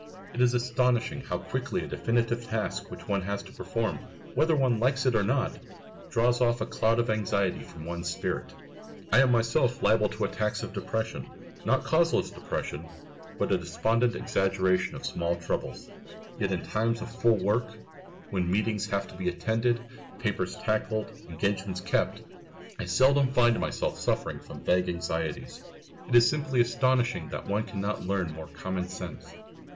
It is astonishing how quickly a definite task which one has to perform, whether one likes it or not, draws off a cloud of anxiety from one's spirit. I am myself liable to attacks of depression, not causeless depression, but a despondent exaggeration of small troubles. Yet in times of full work, when meetings have to be attended, papers tackled, engagements kept, I seldom find myself suffering from vague anxieties. It is simply astonishing that one cannot learn more common sense!